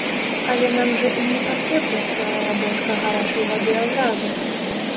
Але нам жа і не патрэбна цэлая бочка гарачай вады адразу.